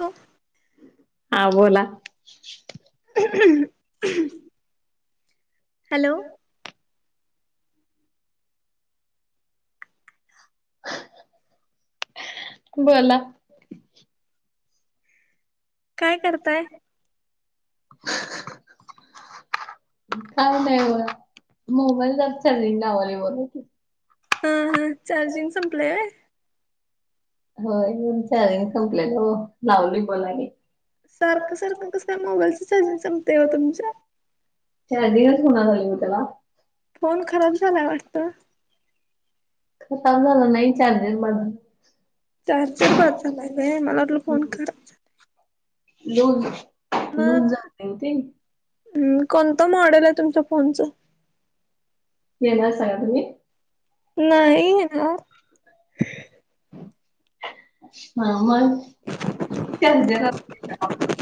हो. हा बोला. [inaudible] हॅलो. बोला. काय करताय. [inaudible] का नाही बला मोबाईल त चालली ना वली ब. हा हा चार्जिंग संपलंय. होय चाजींग कंप्लीट हो लावलोय बलानी सारखं सारखं कस काय मोबाईलचं चार्जिंग संपतय ओ तुमच चार्जिंगच होणा झालय ओ त्याला फोन खराब झालाय वाटत खराब झालं नाही चारजींग माझ चार्जर बाद झालय होय मला वाटलं फोन खराब झालाय लुज लुज झालय ओ ते. तो मॉडेल आहे तुमच्या फोनचं. [unintelligible] नाही घेणार [inaudible] हा म्हणून [unintelligible]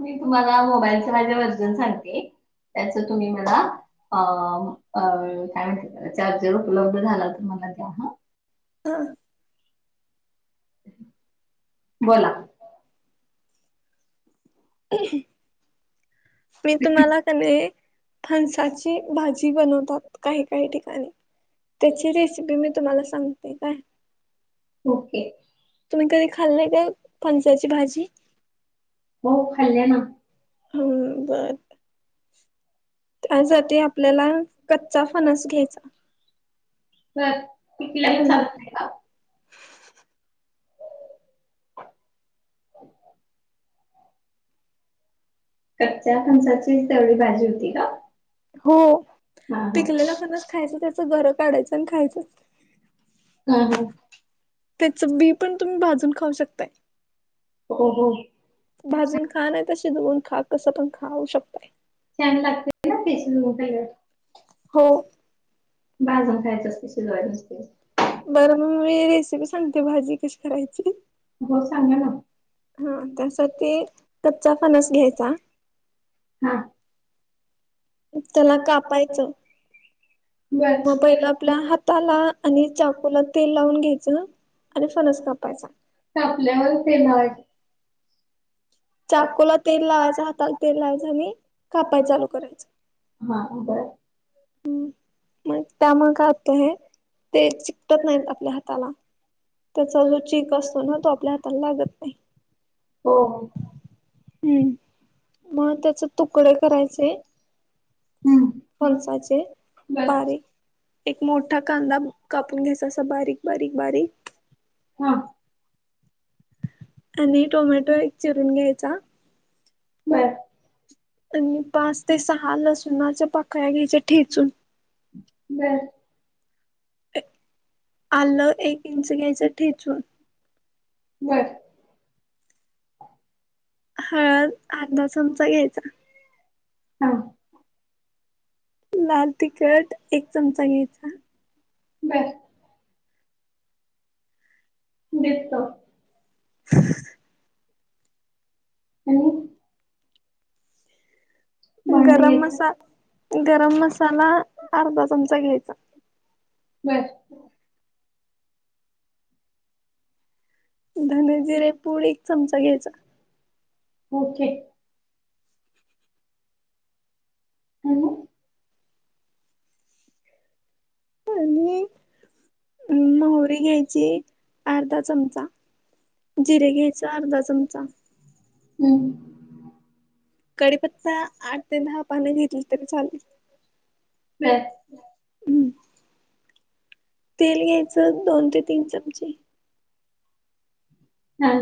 मी तुम्हाला मोबाईलच माझ्या वर्जन सांगते. त्याच तुम्ही मला अ अ काय म्हणती चार्जर उपलब्ध झाला तर मला द्या ह. हा बोला [inaudible] मी तुम्हाला कनी फणसाची भाजी बनवतात काही काही ठिकाणी त्याची रेसिपी मी तुम्हाला सांगते काय? ओके. तुम्ही कधी खाल्लाय का फणसाची भाजी? हो खाल्ल्या ना. हम बर. त्यासाठी आपल्याला कच्चा फनस घ्यायचा. बर पिकलेला चालत नाही काय [inaudible] कच्च्या फणसाची तेवढी भाजी होती का? हो पिकलेलं फणस खायचं त्याच घर काढायचं आणि खायचं असतय हा हा. त्याच बी पण तुम्ही भाजून खाऊ शकताय. हो हो. भाजून खा नाही त शिजवून खा कसं पण खाऊ शकताय. छान लागते ना [unintelligible] हो भाजून खायचं असतय शिजवायचं नसतंय बरं मग मी रेसिपी सांगते भाजी कशी करायची. हो सांगा ना. हा त्यासाठी कच्चा फणस घ्यायचा. हा त्याला कापायचं मग पहिलं आपल्या हाताला आणि चाकूला तेल लावून घ्यायचं आणि फनस कापायचा. कापल्यावर तेल लावायचं - चाकूला तेल लावायच हाताला तेल लावायचं आणि कापाय चालू करायच. हा बरं. हम् मग त्यामुळे काय होत हे ते चिकटत नाही आपल्या हाताला त्याचा जो चीक असतो ना तो आपल्या हाताला लागत नाही. हो हो. हम्म मग त्याचे तुकडे करायचे फणसाचे बारीक. एक मोठा कांदा कापून घ्यायचा असा बारीक बारीक बारीक आणि टोमॅटो एक चिरून घ्यायचा. बरं. आणि पाच ते सहा लसणाच्या पाकळ्या घ्यायच्या ठेचून. बरं. आलं एक इंच घ्यायचं ठेचून. बर [inaudible] हळद अर्धा चमचा घ्यायचा. हा. लाल तिखट एक चमचा घ्यायचा. बरं. दिसतो. [inaudible] आणि गरम मसा - -गरम मसाला अर्धा चमचा घ्यायचा. बरं. धनेजिरे पूड एक चमचा घ्यायचा. ओके. ह. आणि अ मोहरी घ्यायची अर्धा चमचा. जिरे घ्यायचा अर्धा चमचा. हम्. कडीपत्ता आठ ते दहा पाने घेतली तरी चालेल. [unintelligible] तेल घ्यायचं दोन ते तीन चमचे. हा.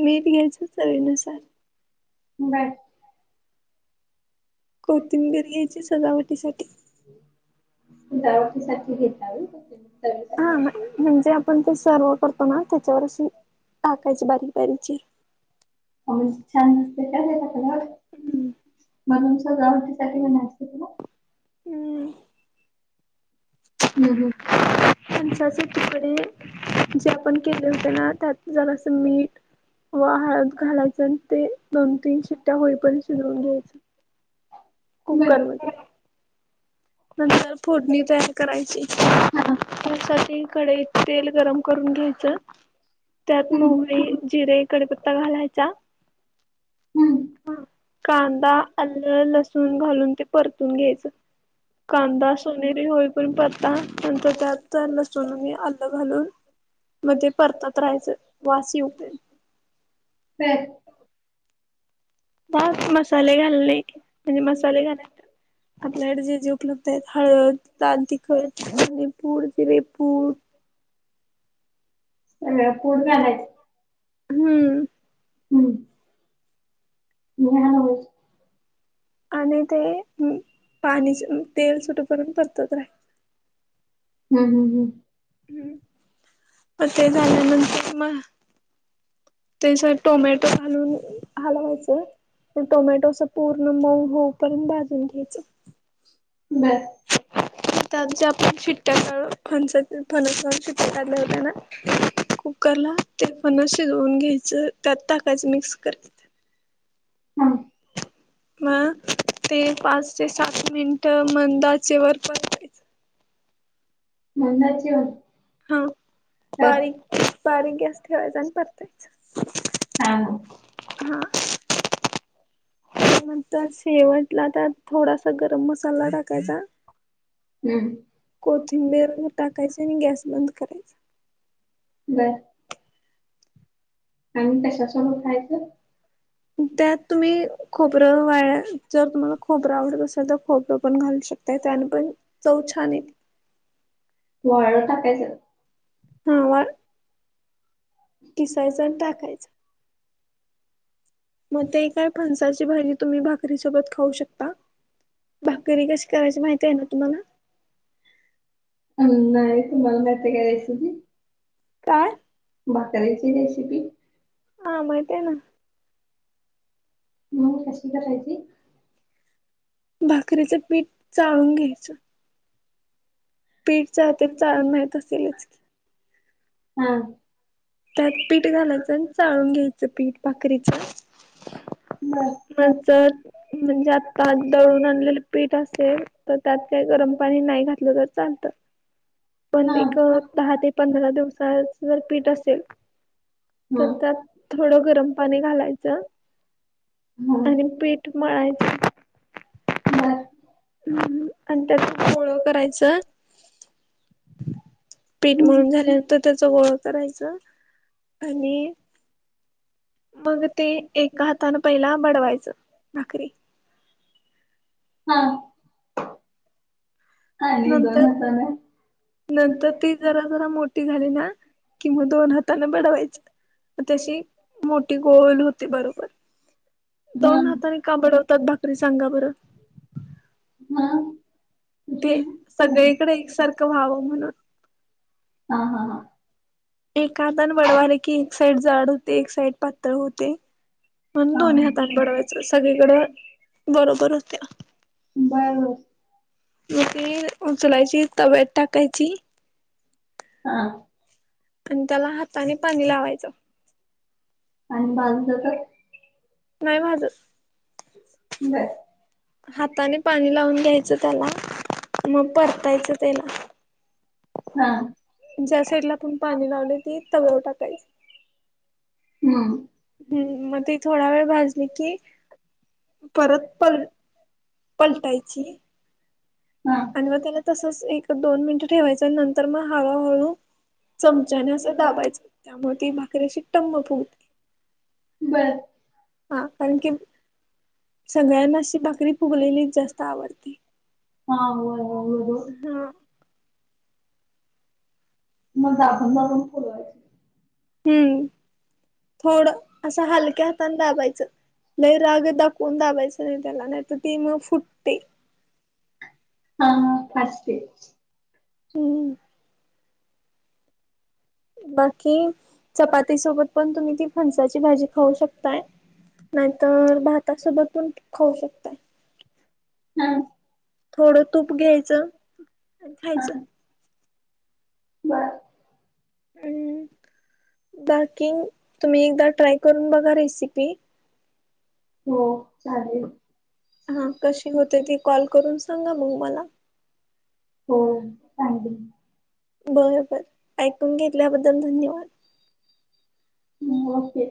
मीट घ्यायच चवीनुसार. [unintelligible] कोथिंबिर घ्यायची सजावटीसाठी. सजावटीसाठी घेता होय फक्त चवीसाठी हा म म्हणजे आपण ते सर्व करतो ना त्याच्यावर अशी टाकायची बारीक बारीक ची छान तेच्यासाठी तर होय म्हणून सगावसाठी म्हणाली - - हम्. हं. हम. [unintelligible] तुकडे जे आपण केले होते ना त्यात जारासं मीठ व हळद घालायचं आणि ते दोन तीन शिट्ट्या होईपर्यंत शिजवून घ्यायचं - - कुकरमध्ये. नंतर फोडणी [unintelligible] करायची. [unintelligible] साठी कडईत तेल गरम करून घ्यायचं त्यात मोहरी, जिरे कडीपत्ता घालायचा. ह. कांदा, आलं, लसूण घालून ते परतून घ्यायचं. कांदा सोनेरी होई पर्यत परता नंतर त्यात लसूणनी आलं घालून मते परतत राहायचं वास येऊ पर्यंत. [unintelligible] [unintelligible] मसाले घालेकि आणि मसाले घालयचं. आपल्याकडे जे जे उपलब्ध आहेत. हळद, लाल तिखटे, धनेपूड, जिरेपूड - - अ पुड घालायच. हम्म. हम्म. [unintelligible] आणि ते पाणीच तेल सुटं करून परतत राही हम् हम हम ह् प ते झाल्यानंतर म ते टोमॅटो त फलून हलवायचं टोमॅटो अस पूर्ण मऊ होऊ पर्यंत भाजून घ्यायचं त्यात जे आपण फिटका्या काढू फण फनण फिटका्या काढल्या होत्या ना कुकर ला ते फणस शिजवून घ्यायचं त्यात टाकायचं मिक्स करायच. म ते पाच ते सात मिनिट मंद आचेवर [unintelligible] मंद आचेवर. हा बारीक बारीक गॅस ठेवायचा आणि परतायच. ह. हा. नंतर शेवटला त्यात थोडासा गरम मसाला टाकायचा. हम्म. कोथिंबीर टाकायचं आणि गॅस बंद करायच. बरं. आणि कश्या सोबत खायच. त्यात तुम्ही खोबरं वाळ्या जर तुम्हाला खोबरं आवडत असाल तर खोबरं पण घालू शकता. [unintelligible] हा वा किसायच आणि टाकायचं. मग ते काय फणसाची भाजी तुम्ही भाकरीसोबत खाऊ शकता. भाकरी कशी करायची माहिती आहे ना तुम्हाला नाही तुम्हाला माहिती आहे का रेसीपी. काय? भाकरीची रेसीपी. हा माहिती आहे ना. म कशी करायची. भाकरीचं पीठ चाळून घ्यायचं. पीठ चाळतेली चाळण माहित असेलच की? हम्. त्यात पीठ घालायचं आणि चाळून घ्यायचं पीठ भाकरीच. बर. मज म्हणजे आता दळून आणलेलं पीठ असेल तर त्यात काही गरम पाणी नाही घातलं तर चालतं. पण एक दहा ते पंधरा दिवसा जर पीठ असेल तर त्यात थोडं गरम पाणी घालायचं. आणि पीठ मळायच. हम्म आणि त्याच गोळं करायचं. पीठ मळून झाल्यानंतर त्याचा गोळा करायचा आणि मग ते एका हातानं पहिला बडवायचं भाकरी. हा. दोन हात न. नंतर ती जरा जरा मोठी झाली ना कि मग दोन हाताने बडवायचं. तशी मोठी गोल होती बरोबर. हम्म. का बडवतात भाकरी सांगा बरं? हम. ते सगळीकडे एकसारखं व्हावं म्हणून. हा हा. एखादान बडवाले की एक साइड जाड होते एक साइड पातळ होते म्हणून दोन्ही हातान बडवायचं सगळीकडं बरोबर होत्या म ती उचलायची तव्यात टाकायची आणि त्याला हाताने पाणी लावायचं. आणि भाजल तर? नाही भाजत. हाताने पाणी लावून घ्यायचं त्याला मग परतायचं त्याला हा. ज्या साईड ला आपण पाणी लावले ती तव्यावर टाकायच हम्म. हम्म मग ती थोडा वेळ भाजली की परत पल पलटायची आणि मग त्याला तसच एक दोन मिनिटं ठेवायचं आणि नंतर मग हळूहळू चमचाने असं दाबायचं त्यामुळे ती भाकरी अशी टम्म फुगते हा कारण की सगळ्यांना अशी भाकरी फुगलेलीच जास्त आवडते हा हो हो. हा. मग [unintelligible] हम्म थोडं असं हलक्या हाताने दाबायचं लय राग दाखवून दाबायचं नाय त्याला नाहीतर ती फुटते हा आसते हम्म. बाकी चपाती सोबत पण तुम्ही ती फणसाची भाजी खाऊ शकताय नाहीतर भातासोबत पण खाऊ शकताय हा. थोडं तूप घ्यायचं आणि खायचं बर. हम्म बाकी तुम्ही एकदा ट्राय करून बघा रेसिपी हो चालेल. हा कशी होते ती कॉल करून सांगा मग मला हो सांगेन बरोबर ऐकून घेतल्याबद्दल धन्यवाद हम्म ओके.